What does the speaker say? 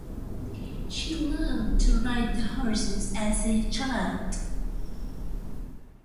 She loved to ride horses as a child.